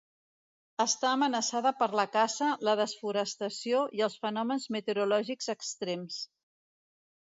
Està amenaçada per la caça, la desforestació i els fenòmens meteorològics extrems.